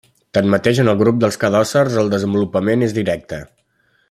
Tanmateix en el grup dels cladòcers el desenvolupament és directe.